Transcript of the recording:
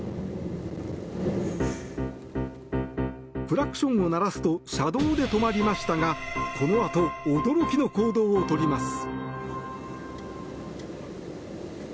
クラクションを鳴らすと車道で止まりましたがこのあと驚きの行動をとります。